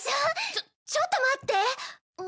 ちょちょっと待って。